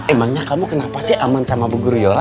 emangnya kamu kenapa sih aman sama bu guru yola